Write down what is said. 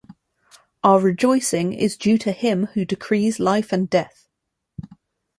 Our rejoicing is due to Him who decrees life and death.